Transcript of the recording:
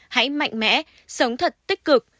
hãy mạnh mẽ sống thật tích cực